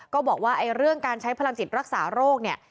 ก็บอกว่าเรื่องการใช้พลังจิตรักษาโรคเนี่ย